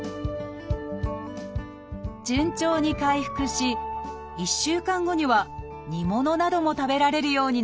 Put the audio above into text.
順調に回復し１週間後には煮物なども食べられるようになりました